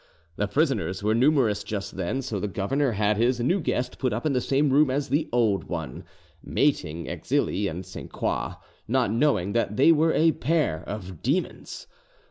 The prisoners were numerous just then, so the governor had his new guest put up in the same room as the old one, mating Exili and Sainte Croix, not knowing that they were a pair of demons.